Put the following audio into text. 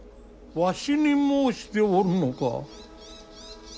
わしに申しておるのか。